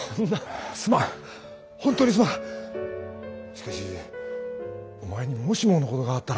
しかしお前にもしものことがあったら。